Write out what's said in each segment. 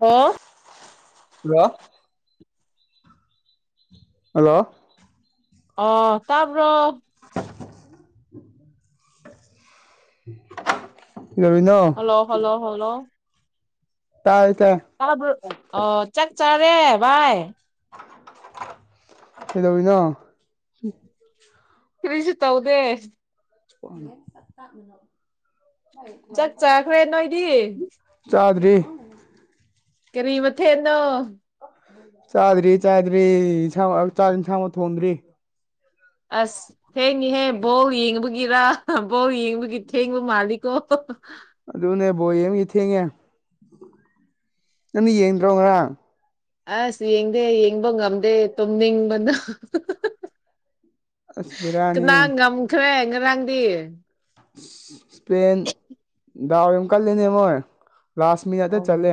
ꯑꯣ ꯍꯜꯂꯣ ꯑꯣ ꯇꯥꯕ꯭ꯔꯣ [inaudible] ꯍꯜꯂꯣ ꯍꯜꯂꯣ ꯍꯣꯂꯣ ꯇꯥꯏ ꯇꯥꯏ ꯇꯥꯕ꯭ꯔꯣ ꯑꯣ ꯆꯥꯛ ꯆꯥꯔꯦ ꯚꯥꯏ ꯀꯩꯗꯧꯔꯤꯅꯣ ꯀ꯭ꯔꯤꯁꯨ ꯇꯧꯗꯦ ꯆꯥꯛ ꯆꯥꯈ꯭ꯔꯦ ꯅꯣꯏꯗꯤ [unintelligible] ꯆꯥꯗ꯭ꯔꯤ ꯀꯔꯤ ꯃꯊꯦꯟꯅꯣ ꯆꯥꯗ꯭ꯔꯤ ꯆꯥꯗ꯭ꯔꯤ ꯏꯟꯁꯥꯡꯃꯛ ꯆꯥꯛ ꯏꯟꯁꯥꯡꯕꯨ ꯊꯣꯡꯗ꯭ꯔꯤ ꯑꯁ ꯊꯦꯡꯉꯤꯍꯦ ꯕꯣꯜ ꯌꯦꯡꯕꯒꯤꯔ ꯕꯣꯜ ꯌꯦꯡꯕꯒꯤ ꯊꯦꯡꯕ ꯃꯥꯜꯂꯤꯀꯣ ꯑꯗꯨꯅꯦ ꯕꯣꯜ ꯌꯦꯡꯕꯒꯤ ꯊꯦꯡꯉꯦ ꯅꯪꯗꯤ ꯌꯦꯡꯗ꯭ꯔꯣ ꯉꯔꯥꯡ ꯑꯁ ꯌꯦꯡꯗꯦ ꯌꯦꯡꯕ ꯉꯝꯗꯦ ꯇꯨꯝꯅꯤꯡꯕꯅ ꯑꯁ ꯕꯦꯔꯥꯅꯤ ꯀꯅꯥꯟ ꯉꯝꯈ꯭ꯔꯦ ꯉꯔꯥꯡꯗꯤ ꯏꯁꯄꯦꯟ ꯗꯥꯎ ꯌꯥꯝ ꯀꯜꯂꯦꯅꯦ ꯃꯣꯏ ꯂꯥꯁ ꯑꯣ ꯃꯤꯅꯠꯇ ꯆꯜꯂꯦ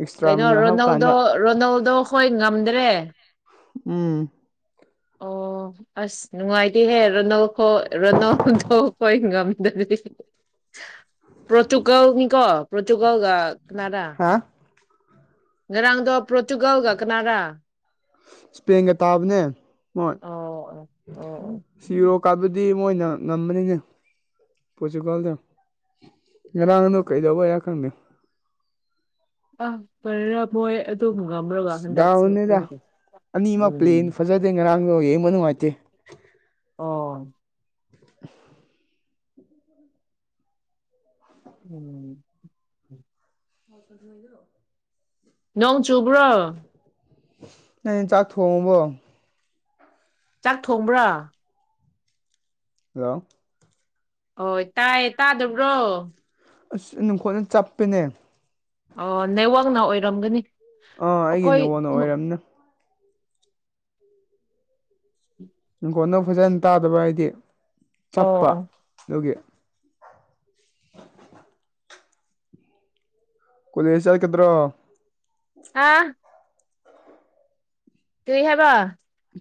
ꯑꯦꯛꯁꯇ꯭ꯔꯥ ꯀꯩꯅꯣ ꯃꯤꯅꯠ ꯔꯣꯅꯥꯜꯗꯣ ꯍꯥꯞꯀꯥꯟꯗ ꯔꯣꯅꯥꯜꯗꯣ ꯍꯣꯏ ꯉꯝꯗ꯭ꯔꯦ ꯎꯝ ꯑꯣ ꯑꯣ ꯑꯁ ꯅꯨꯡꯉꯥꯏꯇꯦꯍꯦ ꯔꯣꯅꯣꯜꯈꯣ ꯔꯣꯅꯥꯜꯗꯣ ꯈꯣꯏ ꯉꯝꯗꯔꯗꯤ ꯄ꯭ꯔꯣꯇꯨꯒꯜꯅꯤꯀꯣ ꯄ꯭ꯔꯣꯇꯨꯒꯜ ꯀꯅꯥꯔ ꯍꯥ ꯉꯔꯥꯡꯗ ꯄ꯭ꯔꯣꯇꯨꯒꯜꯒ ꯀꯅꯔ ꯏꯁꯄꯦꯟꯒ ꯇꯥꯕꯅꯦ ꯃꯣꯏ ꯁꯤꯔꯣ ꯀꯥꯕꯇꯨꯗꯤ ꯃꯣꯏꯅ ꯉꯝꯕꯅꯤꯅꯦ ꯄ꯭ꯔꯣꯇꯨꯒꯥꯜꯗꯣ ꯉꯔꯥꯡꯗꯣ ꯀꯩꯗꯧꯕꯩꯔ ꯈꯪꯗꯦ ꯑ ꯀꯔꯤꯔ ꯃꯣꯢ ꯑꯗꯨ ꯇꯨꯝ ꯉꯝꯔꯒ ꯍꯟꯗꯛꯁ ꯗꯥꯎꯅꯤꯗ [unintelligible] ꯑꯅꯤꯃꯛ ꯎꯝ ꯄ꯭ꯂꯦꯟ ꯐꯖꯗꯦ ꯉꯔꯥꯡꯗꯣ ꯌꯦꯡꯕ ꯅꯨꯡꯉꯥꯏꯇꯦ ꯑꯣ ꯎꯝ [inaudible] ꯅꯣꯡ ꯆꯨꯕ꯭ꯔꯣ ꯅꯣꯢ ꯆꯥꯛ ꯊꯣꯡꯉꯕꯣ ꯆꯥꯛ ꯊꯣꯡꯕ꯭ꯔꯥ ꯍꯜꯂꯣ ꯍꯣꯏ ꯇꯥꯏꯌꯦ ꯇꯥꯗꯕ꯭ꯔꯣ ꯑꯁ ꯅꯨꯡꯈꯣꯠꯅ ꯆꯞꯄꯦꯅꯦ ꯑꯣ ꯅꯦꯠꯋꯥꯛꯅ ꯑꯣꯏꯔꯝꯒꯅꯤ ꯑꯥ ꯑꯩꯒꯤ ꯑꯩꯈꯣꯏ ꯅꯦꯠꯋꯥꯛꯅ ꯑꯣꯏꯔꯝꯅꯤ ꯅꯈꯣꯜꯗꯣ ꯐꯖꯅ ꯇꯥꯗꯕ ꯍꯥꯏꯗꯤ ꯑꯣ ꯆꯞꯄ ꯑꯣ ꯑꯗꯨꯒꯤ ꯀꯣꯂꯦꯖ ꯆꯠꯀꯗ꯭ꯔꯣ ꯑꯥ ꯀꯔꯤ ꯍꯥꯢꯕ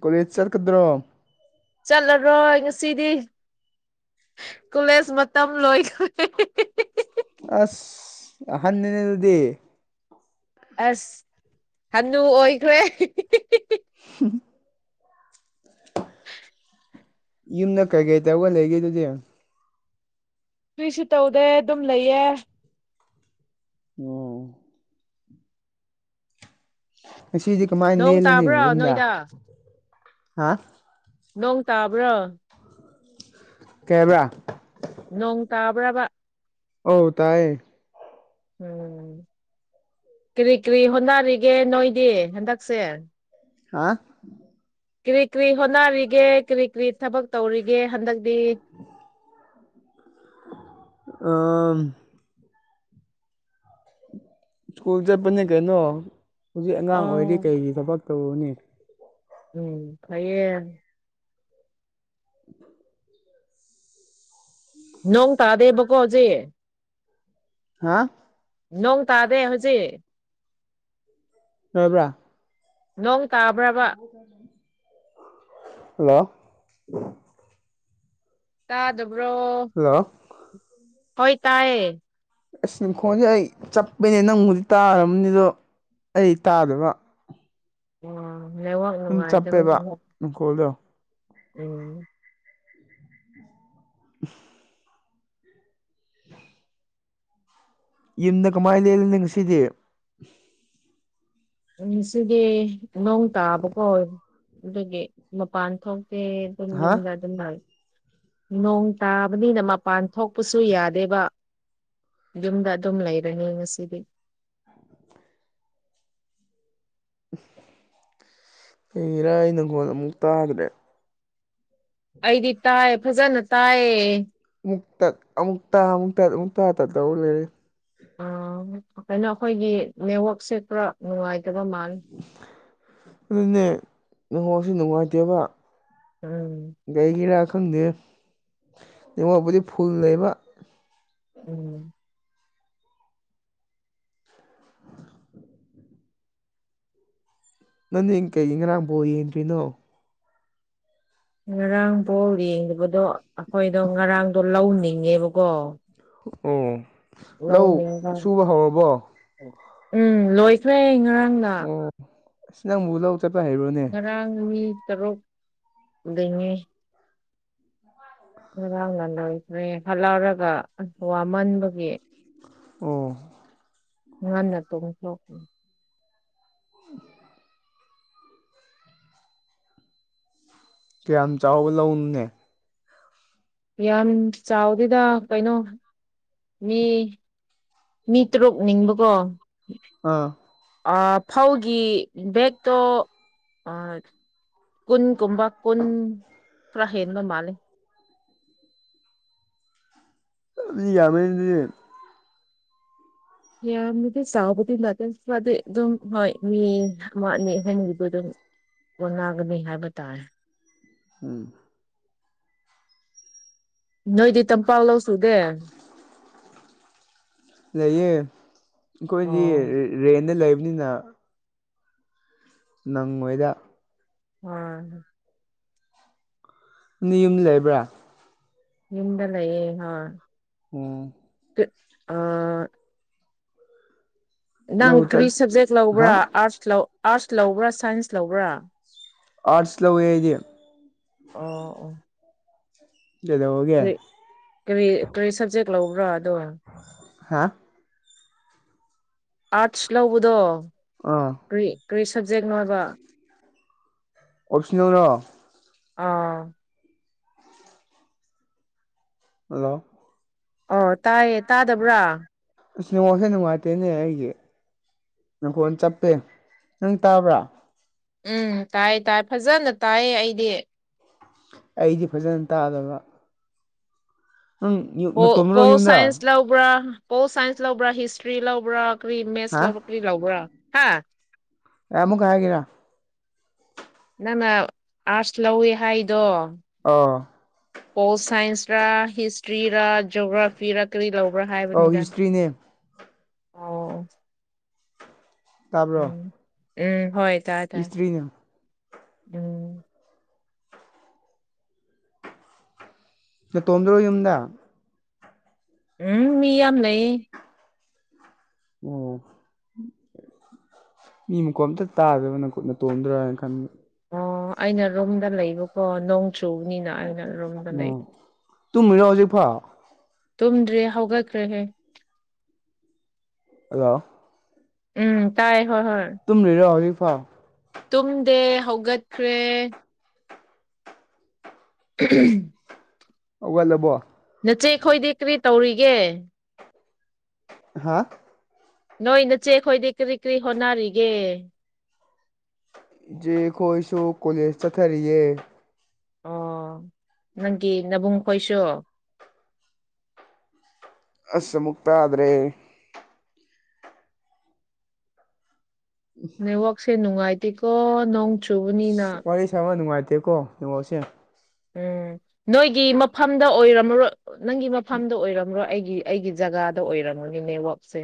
ꯀꯣꯂꯦꯖ ꯆꯠꯀꯗ꯭ꯔꯣ ꯆꯠꯂꯔꯣꯏ ꯉꯁꯤꯗꯤ ꯀꯣꯂꯦꯖ ꯃꯇꯝ ꯂꯣꯏꯈ꯭ꯔꯦ ꯑꯁ ꯑꯍꯟꯅꯤꯅꯦ ꯑꯗꯨꯗꯤ ꯑꯁ ꯍꯅꯨ ꯑꯣꯏꯈ꯭ꯔꯦ [unintelligible] ꯌꯨꯝꯗ ꯀꯩꯀꯩ ꯇꯧꯒ ꯂꯩꯒꯦ ꯑꯗꯨꯗꯤ ꯀꯔꯤꯁꯨ ꯇꯧꯗꯦ ꯑꯗꯨꯝ ꯂꯩꯌꯦ ꯑꯣ ꯉꯁꯤꯗꯤ ꯀꯃꯥꯏꯅ ꯅꯣꯡ ꯂꯦꯜꯂꯅꯤ ꯇꯥꯕ꯭ꯔꯣ ꯌꯨꯝꯗ ꯅꯣꯏꯗ ꯍꯥ ꯅꯣꯡ ꯇꯥꯕ꯭ꯔꯥ ꯀꯩ ꯍꯥꯏꯕ꯭ꯔ ꯅꯣꯡ ꯇꯥꯕ꯭ꯔꯕ ꯑꯣ ꯇꯥꯢꯌꯦ ꯎꯝ ꯀ꯭ꯔꯤ ꯀ꯭ꯔꯤ ꯍꯣꯠꯅꯔꯤꯒꯦ ꯅꯣꯏꯗꯤ ꯍꯟꯗꯛꯁꯦ ꯍꯥ ꯀ꯭ꯔꯤ ꯀ꯭ꯔꯤ ꯍꯣꯠꯅꯔꯤꯒꯦ ꯀ꯭ꯔꯤ ꯀ꯭ꯔꯤ ꯊꯕꯛ ꯇꯧꯔꯤꯒꯦ ꯍꯟꯗꯛꯗꯤ ꯑꯥ ꯁ꯭ꯀꯨꯜ ꯆꯠꯄꯅꯤ ꯀꯩꯅꯣ ꯍꯧꯖꯤꯛ ꯑꯉꯥꯡ ꯑꯣꯏꯔꯤ ꯑꯥ ꯀꯩꯒꯤ ꯊꯕꯛ ꯇꯧꯔꯨꯅꯤ ꯎꯝ ꯐꯩꯌꯦ [inaudible] ꯅꯣꯡ ꯇꯥꯗꯦꯕꯀꯣ ꯍꯧꯖꯤꯛ ꯍꯥ ꯅꯣꯡ ꯇꯥꯗꯦ ꯍꯨꯖꯤꯛ ꯇꯥꯕ꯭ꯔꯥ ꯅꯣꯡ ꯇꯥꯕ꯭ꯔꯕ ꯍꯜꯂꯣ ꯇꯥꯗꯕ꯭ꯔꯣ ꯍꯜꯂꯣ ꯍꯣꯏ ꯇꯥꯏꯌꯦ ꯑꯁ ꯃꯈꯣꯟꯖꯦ ꯑꯩ ꯆꯞꯄꯦꯅꯦ ꯅꯪꯕꯨꯗꯤ ꯇꯥꯔꯝꯅꯤ ꯑꯗꯣ ꯑꯩ ꯇꯥꯗꯕ ꯑꯥ ꯅꯦꯋꯥꯛ ꯑꯗꯨꯝ ꯆꯞꯄꯦꯕ ꯅꯨꯡꯉꯥꯏꯗꯕꯒꯤ ꯅꯈꯣꯜꯗꯣ ꯎꯝ [inaudible] ꯌꯨꯝꯗ ꯀꯃꯥꯏ ꯂꯦꯜꯂꯤ ꯉꯁꯤꯗꯤ ꯎꯝ ꯉꯁꯤꯗꯤ ꯅꯣꯡ ꯇꯥꯕ ꯀꯣ ꯑꯗꯨꯒꯤ ꯃꯄꯥꯟ ꯊꯣꯛ ꯇꯦ ꯌꯨꯝ ꯍꯥ ꯌꯨꯝꯗ ꯑꯗꯨꯝ ꯂꯩ ꯅꯣꯡ ꯇꯥꯕꯅꯤꯅ ꯃꯄꯥꯟ ꯊꯣꯛꯄꯁꯨ ꯌꯥꯗꯦꯕ ꯌꯨꯝꯗ ꯑꯗꯨꯝ ꯂꯩꯔꯅꯤ ꯉꯁꯤꯗꯤ ꯀꯔꯤꯒꯤꯔꯥ ꯑꯩ ꯅꯈꯣꯟ ꯑꯃꯨꯛ ꯇꯥꯗ꯭ꯔꯦ ꯑꯩꯗꯤ ꯇꯥꯏ ꯐꯖꯅ ꯇꯥꯏꯌꯦ ꯑꯃꯨꯛ ꯇꯠ ꯑꯃꯨꯛ ꯇꯥ ꯑꯃꯨꯛ ꯇꯠ ꯑꯃꯨꯛ ꯇꯥ ꯇꯠ ꯇꯧ ꯂꯩꯔꯦ ꯑꯥ ꯀꯩꯅꯣ ꯑꯩꯈꯣꯏꯒꯤ ꯅꯦꯠꯋꯥꯛꯁꯦ ꯈꯔ ꯅꯨꯡꯉꯥꯏꯇꯕ ꯃꯥꯜꯂꯦ ꯑꯗꯨꯅꯦ ꯅꯦꯠꯋꯥꯛꯁꯦ ꯅꯨꯡꯉꯥꯏꯇꯦꯕ ꯎꯝ ꯒꯔꯤꯒꯤꯔꯥ ꯈꯪꯗꯦ ꯅꯦꯋꯥꯛꯄꯨꯗꯤ ꯐꯨꯜ ꯂꯩꯕ ꯎꯝ ꯅꯪꯗꯤ ꯀꯩꯒꯤ ꯉꯔꯥꯡ ꯕꯣꯜ ꯌꯦꯡꯗ꯭ꯔꯤꯅꯣ ꯉꯔꯥꯡ ꯕꯣꯜ ꯌꯦꯡꯗꯕꯗꯣ ꯑꯈꯣꯏꯗꯣ ꯉꯔꯥꯡꯗꯣ ꯂꯧ ꯂꯤꯡꯉꯦꯕꯀꯣ ꯎꯝ ꯂꯧ ꯁꯨꯕ ꯍꯧꯔꯕꯣ ꯎꯝ ꯂꯣꯏꯈ꯭ꯔꯦ ꯉꯔꯥꯡ ꯎꯝ ꯑꯁ ꯅꯪꯕꯨ ꯂꯧ ꯆꯠꯄ ꯍꯩꯕ꯭ꯔꯣꯅꯦ ꯉꯔꯥꯡ ꯃꯤ ꯇꯔꯨꯛ ꯂꯤꯡꯉꯦ ꯉꯔꯥꯡꯅ ꯂꯣꯏꯈ꯭ꯔꯦ ꯍꯠꯂꯧꯔꯒ ꯑꯁ ꯋꯥꯃꯟꯕꯒꯤ ꯎꯝ ꯉꯟꯅ ꯇꯨꯝꯊꯣꯛꯏ [unintelligible] ꯀꯌꯥꯝ ꯆꯥꯎꯕ ꯂꯧꯅꯣꯅꯦ ꯌꯥꯝ ꯆꯥꯎꯗꯦꯗ ꯀꯩꯅꯣ ꯃꯤ ꯃꯤ ꯇ꯭ꯔꯨꯛ ꯂꯤꯡꯕꯀꯣ ꯑꯥ ꯑꯥ ꯐꯧꯒꯤ ꯕꯦꯛꯇꯣ ꯑꯥ ꯀꯨꯟꯒꯨꯝꯕ ꯀꯨꯟ ꯈꯔ ꯍꯦꯟꯕ ꯃꯥꯜꯂꯦ [inaudible] ꯑꯗꯨꯗꯤ ꯌꯥꯃꯦꯗꯤ ꯌꯥꯝꯅꯗꯤ ꯆꯥꯎꯕꯗꯤ ꯅꯠꯇꯦ ꯈ꯭ꯔꯗꯤ ꯑꯗꯨꯝ ꯍꯣꯏ ꯃꯤ ꯑꯃ ꯑꯅꯤ ꯑꯍꯨꯝꯕꯗꯃꯤ ꯀꯣꯅꯒꯅꯤ ꯍꯥꯏꯕ ꯇꯥꯏ ꯎꯝ ꯅꯣꯏꯗꯤ ꯇꯝꯄꯥꯂꯣꯁ [inaudible] ꯂꯩꯌꯦ ꯑꯩꯈꯣꯏꯗꯤ ꯑꯣ ꯔꯦꯟꯗ ꯂꯩꯕꯅꯤꯅ ꯅꯪꯉꫭꯏꯗ ꯃꯥꯅꯦ ꯅꯪꯗꯤ ꯌꯨꯝ ꯂꯩꯕ꯭ꯔ ꯌꯨꯝꯗ ꯂꯩꯌꯦ ꯍꯣꯏ ꯑꯣ ꯑꯥ ꯅꯪ ꯂꯧ ꯆꯠ ꯀꯔꯤ ꯁꯞꯖꯦꯛ ꯍꯥ ꯂꯧꯕ꯭ꯔ ꯑꯥꯔꯠꯁ ꯂꯧꯕ꯭ꯔ ꯁꯥꯏꯟꯁ ꯂꯧꯕ꯭ꯔ ꯑꯥꯔꯠꯁ ꯂꯧꯋꯦ ꯑꯩꯗꯤ ꯑꯣ ꯑꯣ ꯀꯩꯗꯧꯔꯒꯦ ꯀꯔꯤ ꯀꯔꯤ ꯀꯔꯤ ꯁꯞꯖꯦꯛ ꯂꯧꯕ꯭ꯔ ꯍꯥ ꯑꯥꯔꯠꯁ ꯂꯧꯕꯗꯣ ꯑꫭ ꯀꯔꯤ ꯀꯔꯤ ꯁꯞꯖꯦꯛ ꯅꯣꯏꯕ ꯑꯣꯞꯁꯅꯦꯜꯂꯣ ꯑꯥ ꯍꯜꯂꯣ ꯑꯣ ꯇꯥꯏꯌꯦ ꯇꯥꯗꯕ꯭ꯔ ꯑꯁ ꯅꯦꯋꯥꯛꯁꯦ ꯅꯨꯡꯉꯥꯏꯇꯦꯅꯦ ꯑꯩꯒꯤ ꯅꯈꯣꯟ ꯆꯞꯄꯦ ꯅꯪ ꯇꯥꯕ꯭ꯔ ꯎꯝ ꯇꯥꯏ ꯇꯥꯏ ꯐꯖꯅ ꯇꯥꯏꯌꯦ ꯑꯩꯗꯤ ꯑꯩꯗꯤ ꯐꯖꯅ ꯇꯥꯗꯕ ꯅꯪ ꯌꯨ ꯑꯣ ꯅꯇꯣꯝꯗꯔꯣ ꯄꯣꯜ ꯌꯨꯝꯗ ꯁꯥꯏꯟꯁ ꯂꯧꯕ꯭ꯔ ꯄꯣꯜ ꯁꯥꯏꯟꯁ ꯂꯧꯕ꯭ꯔ ꯍꯤꯁꯇ꯭ꯔꯤ ꯂꯧꯕ꯭ꯔꯥ ꯀꯔꯤ ꯃꯦꯠꯁ ꯍꯥ ꯂꯧꯕ꯭ꯔ ꯀꯔꯤ ꯂꯧꯕ꯭ꯔ ꯍꯥ ꯑꯃꯨꯛꯀ ꯍꯥꯏꯒꯦꯔ ꯅꯪꯅ ꯑꯥꯔꯠꯁ ꯂꯧꯋꯦ ꯍꯥꯏꯗꯣ ꯑꯣ ꯄꯣꯜ ꯁꯥꯏꯟꯁꯔ ꯍꯤꯁꯇ꯭ꯔꯤꯔ ꯖꯣꯒ꯭ꯔꯥꯐꯤꯔ ꯀꯔꯤ ꯂꯧ ꯑꯥꯎ ꯍꯤꯁꯇ꯭ꯔꯤꯅꯦ ꯑꯣ ꯑꫭ ꯇꯥꯕ꯭ꯔꯣ ꯎꯝ ꯍꯣꯏ ꯇꯥꯏ ꯇꯥꯏ ꯍꯤꯁꯇ꯭ꯔꯤꯅꯦ ꯎꯝ ꯅꯇꯣꯝꯗꯔꯣ ꯌꯨꯝꯗ ꯎꯝ ꯃꯤ ꯌꯥꯝ ꯂꯩꯌꯦ ꯑꫭ ꯃꯤ ꯃꯈꫭꯟ ꯑꯝꯇ ꯇꯥꯗꯕ [unintelligible] ꯅꯇꯣꯝꯗꯔ ꯍꯥꯏꯅ ꯈꯟꯕ ꯑꯣ ꯑꯩꯅ ꯔꯨꯝꯗ ꯂꯩꯕꯀꯣ ꯅꯣꯡ ꯆꯨꯕꯅꯤꯅ ꯑꯩꯅ ꯔꯨꯝꯗ ꯑꯣ ꯂꯩꯕ ꯇꯨꯝꯃꯤꯔꯣ ꯍꯧꯖꯤꯛ ꯐꯥꯎ ꯇꯨꯝꯗ꯭ꯔꯦ ꯍꯧꯒꯠꯈ꯭ꯔꯦꯍꯦ ꯍꯜꯂꯣ ꯎꯝ ꯇꯥꯏꯌꯦ ꯇꯨꯝꯂꯤꯔꯣ ꯍꯧꯖꯤꯛꯐꯥꯎ ꯇꯨꯝꯗꯦ ꯍꯧꯒꯠꯈ꯭ꯔꯦ [inaudible] ꯍꯧꯒꯠꯂꯕꯣ ꯅꯆꯦ ꯈꯣꯏꯗꯤ ꯀꯔꯤ ꯇꯧꯔꯤꯒꯦ ꯍꯥꯥ ꯅꯣꯏ ꯅꯆꯦ ꯈꯣꯏꯗꯤ ꯀꯔꯤ ꯀꯔꯤ ꯍꯣꯠꯅꯔꯤꯒꯦ ꯏꯆꯦ ꯈꯣꯏꯁꯨ ꯀꯣꯂꯦꯖ ꯆꯠꯊꯔꯤꯌꯦ ꯑꯣ ꯅꯪꯒꯤ ꯅꯕꯨꯡ ꯈꯣꯏꯁꯨ ꯑꯁ ꯑꯃꯨꯛ ꯇꯥꯗ꯭ꯔꯦ ꯅꯦꯛꯋꯥꯛꯁꯦ ꯅꯨꯡꯉꯥꯏꯇꯦꯀꯣ ꯅꯣꯡ ꯆꯨꯕꯅꯤꯅ ꯋꯥꯔꯤ ꯁꯥꯕ ꯅꯨꯡꯉꯥꯏꯇꯦꯀꯣ ꯅꯦꯠꯋꯥꯔꯛꯁꯦ ꯎꯝ ꯅꯣꯏꯒꯤ ꯃꯐꯝꯗ ꯑꯣꯏꯔꯝꯃꯔꯣ ꯅꯪꯒꯤ ꯃꯐꯝꯗ ꯑꯣꯏꯔꯝꯃꯔꯣ ꯑꯩꯒꯤ ꯑꯩꯒꯤ ꯖꯒꯥꯗ ꯑꯣꯏꯔꯝꯒꯅꯤ ꯅꯦꯠꯋꯥꯛꯁꯦ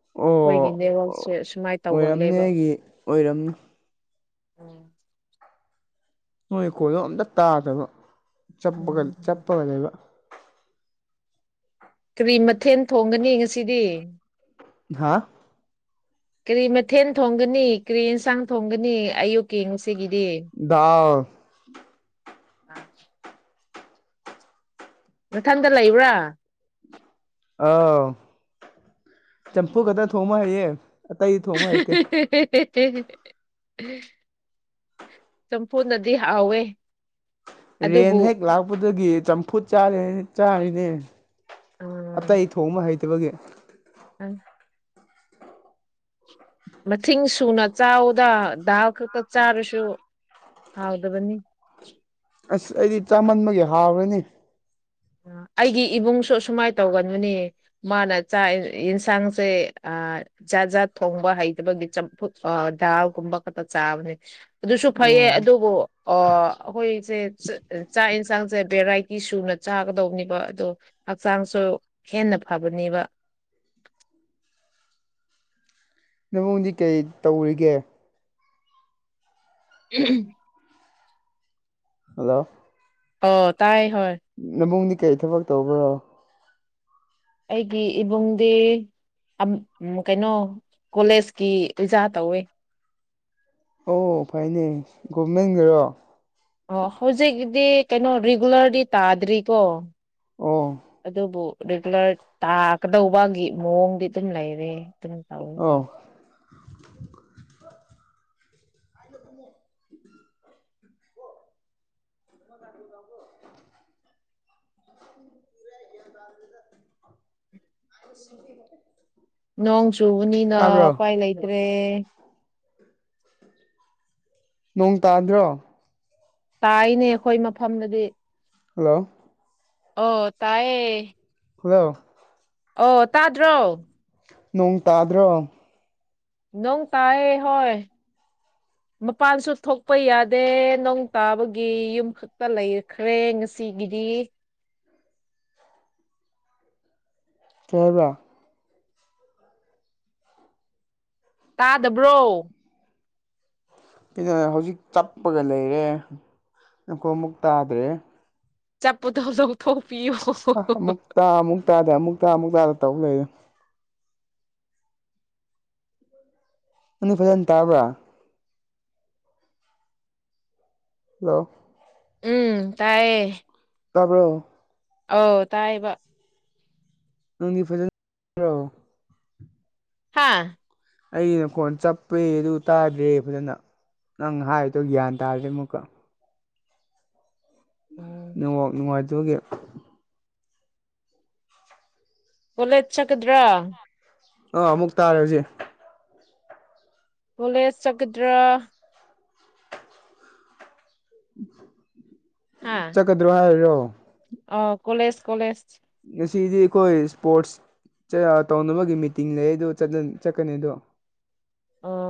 ꯑꯣ ꯑꯣ ꯅꯦꯛꯋꯥꯛꯁꯦ ꯑꯁꯨꯃꯥꯏꯅ ꯑꯣꯏꯔꯝꯅꯤ ꯇꯧꯒꯜꯂꯦꯕ ꯑꯩꯒꯤ ꯑꯣꯏꯔꯝꯅꯤ ꯎꯝ [unintelligible] ꯀꯔꯤ ꯃꯊꯦꯜ ꯊꯣꯡꯒꯅꯤ ꯉꯁꯤꯗꯤ ꯍꯥ ꯀꯔꯤ ꯃꯊꯦꯜ ꯊꯣꯡꯒꯅꯤ ꯀꯔꯤ ꯌꯦꯟꯁꯥꯡ ꯊꯣꯡꯒꯅꯤ ꯑꯌꯨꯛꯀꯤ ꯌꯦ ꯗꯥꯜ [inaudible] ꯅꯊꯟꯗ ꯂꯩꯕ꯭ꯔꯥ ꯑꯥꯎ ꯆꯝꯐꯨꯠ ꯈꯛꯇ ꯊꯣꯡꯕ ꯍꯩꯌꯦ ꯑꯇꯩ ꯊꯣꯡꯕ ꯍꯩꯇꯦ [unintelligible] ꯆꯝꯐꯨꯠꯅꯗꯤ ꯍꯥꯎꯋꯦ ꯔꯦꯟ ꯑꯗꯨꯕꯨ ꯍꯦꯛ ꯂꯥꯛꯄꯗꯒꯤ ꯆꯝꯐꯨꯠ ꯆꯥꯔ ꯆꯥꯔꯤꯅꯦ ꯎꯝ ꯑꯇꯩ ꯊꯣꯡꯕ ꯍꯩꯇꯕꯒꯤ ꯃꯁꯤꯡ ꯁꯨꯅ ꯆꯥꯎꯗ ꯗꯥꯜ ꯈꯛꯇ ꯆꯥꯔꯁꯨ ꯍꯥꯎꯗꯕꯅꯤ ꯑꯁ ꯑꯩꯗꯤ ꯆꯥꯃꯟꯕꯒꯤ ꯍꯥꯎꯔꯦꯅꯦ ꯑ ꯑꯩꯒꯤ ꯏꯕꯨꯡꯁꯨ ꯑꯁꯨꯃꯥꯏꯅ ꯇꯧꯒꯟꯕꯅꯦ ꯃꯥꯅ ꯆꯥꯛ ꯌꯦꯟꯁꯥꯡꯁꯦ ꯖꯥꯠ ꯖꯥꯠ ꯊꯣꯡꯕ ꯍꯩꯇꯕꯒꯤ ꯆꯐꯨꯠ ꯗꯥꯜꯀꯨꯝꯕ ꯈꯛꯇ ꯆꯥꯕꯅꯦ ꯑꯗꯨꯁꯨ ꯑꯣ ꯐꯩꯌꯦ ꯑꯗꯨꯕꯨ ꯑꯩꯈꯣꯏꯁꯦ ꯆꯥꯛ ꯌꯦꯟꯁꯥꯡꯁꯦ ꯚꯦꯔꯥꯏꯇꯤ ꯁꯨꯅ ꯆꯥꯒꯗꯧꯕꯅꯦꯕ ꯑꯗꯣ ꯍꯛꯆꯥꯡꯁꯨ ꯍꯦꯟꯅ ꯐꯕꯅꯦꯕ [inaudible] ꯅꯕꯨꯡꯗꯤ ꯀꯔꯤ ꯇꯧꯔꯤꯒꯦ [inaudible] ꯍꯜꯂꯣ ꯑꯣ ꯇꯥꯏ ꯍꯣꯏ ꯅꯕꯨꯡꯗꯤ ꯀꯩ ꯊꯕꯛ ꯇꯧꯕ꯭ꯔꯣ ꯑꯩꯒꯤ ꯏꯕꯨꯡꯗꯤ ꯑꯝ ꯀꯩꯅꯣ ꯀꯣꯂꯦꯖꯀꯤ ꯑꯣꯖꯥ ꯇꯧꯋꯦ ꯑꯣ ꯐꯩꯅꯦ ꯒꯣꯔꯃꯦꯟꯒꯤꯔꯣ ꯑꯣ ꯍꯧꯖꯤꯛꯒꯤꯗꯤ ꯀꯩꯅꯣ ꯔꯤꯒꯨꯂꯔꯗꯤ ꯇꯥꯗ꯭ꯔꯤꯀꯣ ꯑꯣ ꯑꯗꯨꯕꯨ ꯔꯤꯒꯨꯂꯔ ꯇꯥꯒꯗꯧꯕꯒꯤ ꯃꯑꯣꯡꯗꯤ ꯑꯗꯨꯝ ꯂꯩꯔꯦ [unintelligible] ꯑꯧ [inaudible] [inaudible] ꯅꯣꯡ ꯆꯨꯕꯅꯤꯅ ꯇꯥꯕ꯭ꯔꯣ ꯎꯄꯥꯏ ꯂꯩꯇ꯭ꯔꯦ ꯅꯣꯡ ꯇꯥꯗ꯭ꯔꯣ ꯇꯥꯏꯅꯦ ꯑꯩꯈꯣꯏ ꯃꯐꯝꯗꯗꯤ ꯍꯜꯂꯣ ꯑꯣ ꯇꯥꯌꯦ ꯍꯜꯂꯣ ꯑꯣ ꯇꯥꯗ꯭ꯔꯣ ꯅꯣꯡ ꯇꯥꯗ꯭ꯔꯣ ꯅꯣꯡ ꯇꯥꯌꯦ ꯍꯣꯏ ꯃꯄꯥꯟꯁꯨ ꯊꯣꯛꯄ ꯌꯥꯗꯦ ꯅꯣꯡ ꯇꯥꯕꯒꯤ ꯌꯨꯝ ꯈꯛꯇ ꯂꯩꯈ꯭ꯔꯦ ꯉꯁꯤꯒꯤꯗꯤ ꯗꯤ ꯀꯩ ꯍꯥꯏꯕꯔ ꯇꯥꯗꯕ꯭ꯔꯣ ꯀꯩꯅꯣ ꯍꯧꯖꯤꯛ ꯆꯞꯄꯒ ꯂꯩꯔꯦ ꯅꯈꯣꯟ ꯑꯃꯨꯛ ꯇꯥꯗ꯭ꯔꯦ ꯆꯞꯄꯗꯣ ꯂꯧꯊꯣꯛ ꯑ ꯑꯃꯨꯛ ꯇꯥ ꯑꯃꯨꯛ ꯇꯥꯗ ꯑꯃꯨꯛ ꯇꯥ ꯑꯃꯨꯛ ꯇꯥꯗ ꯇꯧ ꯂꯩꯔꯦ ꯅꯪꯗꯤ ꯐꯖꯅ ꯇꯥꯕ꯭ꯔꯥ ꯍꯜꯂꯣ ꯎꯝ ꯇꯥꯏꯌꯦ ꯇꯥꯕ꯭ꯔꯣ ꯑꯧ ꯇꯥꯏꯕ ꯅꯪꯒꯤ ꯐꯖꯅꯣ [unintelligible] ꯍꯥꯥ ꯑꯩꯒꯤꯅ ꯐꯣꯟ ꯆꯞꯄꯦ ꯑꯗꯨ ꯇꯥꯗ꯭ꯔꯦ ꯐꯖꯅ ꯅꯪ ꯍꯥꯏꯔꯤꯗꯣ ꯒ꯭ꯌꯥꯟ ꯇꯥꯗ꯭ꯔꯦ ꯑꯃꯨꯝꯀ ꯎꯝ ꯅꯦꯠꯋꯥꯛ ꯅꯨꯉꯥꯏꯇꯕꯒꯤ ꯀꯣꯂꯦꯁ ꯆꯠꯀꯗ꯭ꯔꯥ ꯑꯥ ꯑꯃꯨꯛ ꯇꯥꯔꯦ ꯍꯧꯖꯤꯛ ꯀꯣꯂꯦꯖ ꯆꯒꯗ꯭ꯔ ꯆꯠꯀꯗ꯭ꯔꯣ ꯍꯥꯏꯔꯤꯔꯣ ꯑꯣ ꯀꯣꯂꯦꯖ ꯀꯣꯂꯦꯖ ꯉꯁꯤꯗꯤꯈꯣꯏ ꯏꯁꯄꯣꯔꯠꯁ ꯇꯧꯅꯕꯒꯤ ꯃꯤꯇꯤꯡ ꯂꯩꯌꯦ ꯑꯗꯨ ꯆꯠꯀꯅꯤ ꯑꯗꯣ ꯑꯣ